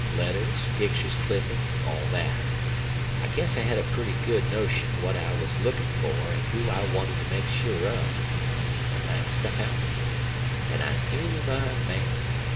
Letters, pictures, clippin's, an' all that. I guess I had a pretty good notion what I was lookin' for an' who I wanted to make sure of. At last I found it. An' I knew my man.